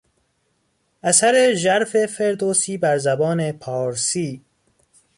اثر ژرف فردوسی بر زبان پارسی